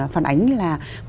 phản ánh là